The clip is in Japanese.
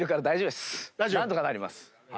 何とかなります。